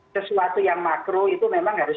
sesuatu yang makro itu memang harus